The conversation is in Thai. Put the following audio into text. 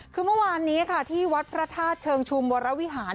คือเมื่อวานนี้ค่ะที่วัดพระธาตุเชิงชุมวรวิหาร